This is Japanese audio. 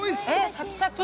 ◆シャキシャキ？